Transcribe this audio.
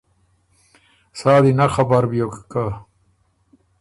سا دی نک خبر بیوک که